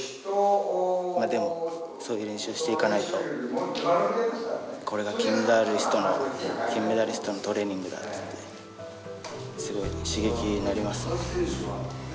まあでもそういう練習していかないとこれが金メダリストのトレーニングだっつってすごいね刺激になりますね